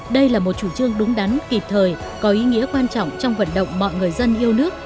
đây là một chủ trương đúng đắn kịp thời có ý nghĩa quan trọng trong vận động mọi người dân yêu nước